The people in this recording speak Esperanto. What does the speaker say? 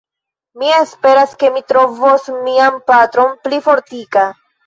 Mi esperas, ke mi trovos mian patron pli fortika.